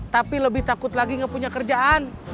tapi lebih takut lagi nggak punya kerjaan